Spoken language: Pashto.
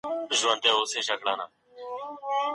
ملا محمدعيسى احمدسلطاني